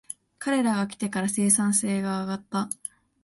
彼らが来てから生産性が上がった